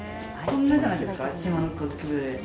こんなじゃないですか島のって。